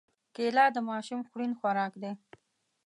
کېله د ماشوم خوړن خوراک دی.